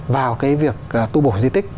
vào cái việc tu bổ di tích